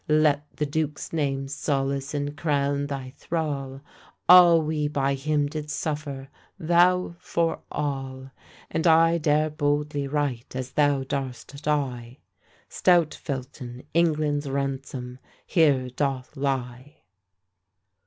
Let the duke's name solace and crown thy thrall; All we by him did suffer, thou for all! And I dare boldly write, as thou dar'st die, Stout Felton, England's ransom, here doth lie!